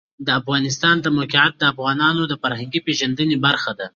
د افغانستان د موقعیت د افغانانو د فرهنګي پیژندنې برخه ده.